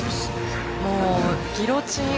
もうギロチン。